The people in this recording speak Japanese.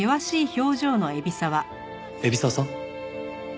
海老沢さん？